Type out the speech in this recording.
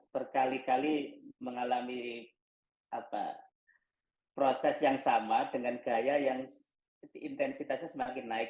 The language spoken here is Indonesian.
berkali kali mengalami proses yang sama dengan gaya yang intensitasnya semakin naik